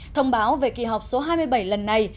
thông báo về kỳ họp số hai mươi bảy lần này